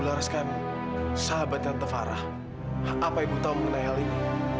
bulareskan sahabatnya tephara apa ibu tahu mengenai hal ini